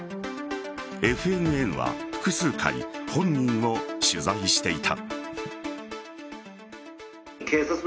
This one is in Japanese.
ＦＮＮは複数回本人を取材していた。